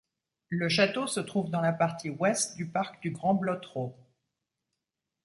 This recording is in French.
Le château se trouve dans la partie ouest du parc du Grand-Blottereau.